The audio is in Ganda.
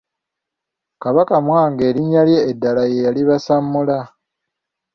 Kabaka Mwanga erinnya lye eddala ye yali Basammula.